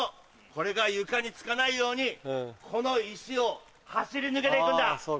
これが床につかないようにこの石を走り抜けて行くんだ！